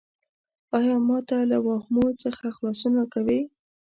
ایا ما ته له واهمو څخه خلاصون راکوې؟